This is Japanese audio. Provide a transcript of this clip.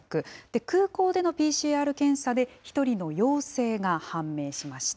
空港でのＰＣＲ検査で、１人の陽性が判明しました。